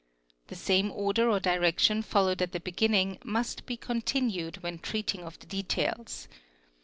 The same order or direction followed at the beginning must be continued when treating of the details.